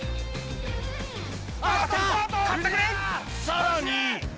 さらに！